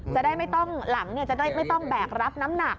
จะได้ไม่ต้องหลังจะได้ไม่ต้องแบกรับน้ำหนัก